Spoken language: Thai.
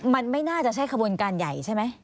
มันไม่น่าจะใช่ขบวนการใหญ่ใช่ไหม